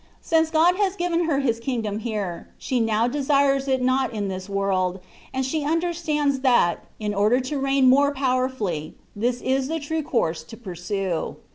Since God has given her His kingdom here, she now desires it not in this world ; and she understands that, in order to reign more powerfully, this is the true course to pursue.